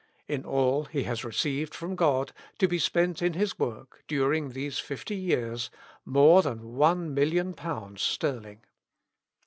In all he has received from God, to be spent in His work, during these fifty years, more than one million pounds sterling.